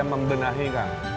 saya membenahi kang